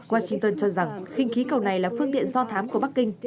washington cho rằng khinh khí cầu này là phương tiện do thám của bắc kinh